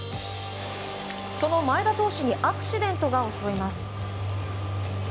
その前田投手をアクシデントが襲います。